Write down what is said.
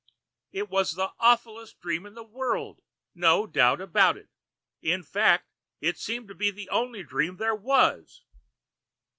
] It was the awfullest dream in the world, no doubt about it. In fact, it seemed to be the only dream there was!